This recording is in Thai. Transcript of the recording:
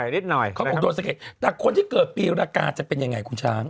นิดหน่อยข้อมูลโจทย์สังเกตแต่คนที่เกิดปีรากาจะเป็นยังไงคุณช้าง